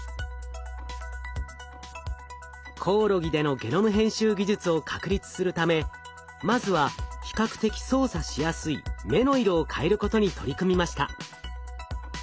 コオロギでのゲノム編集技術を確立するためまずは比較的操作しやすい目の色を変えることに取り組みました。